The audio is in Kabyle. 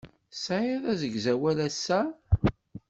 Tesɛiḍ asegzawal ass-a?